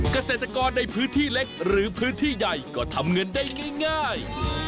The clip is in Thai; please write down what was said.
เกษตรกรในพื้นที่เล็กหรือพื้นที่ใหญ่ก็ทำเงินได้ง่าย